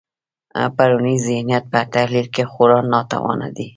پرونی ذهنیت په تحلیل کې خورا ناتوانه دی.